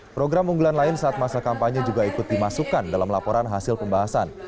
program unggulan lain saat masa kampanye juga ikut dimasukkan dalam laporan hasil pembahasan